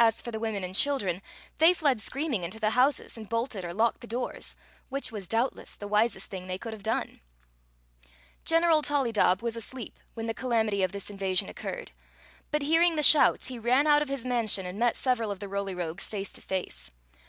As for the women and children, they fled screaming into the houses and bolted or locked the doors, which was doubtless the wisest thing they could have done. 2i6 Queen Zixi of Ix; or, the General Tollydob was asleep when the calamity of this invasion occurred ; but hearin^^ the shouts, he ran out of his mansion and met several of the Roly Rogucs "as po« thc womin and childiibn, face to face.